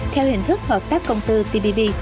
theo hình thức hợp tác công tư tpb